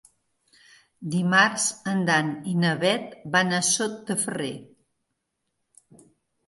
Dimarts en Dan i na Bet van a Sot de Ferrer.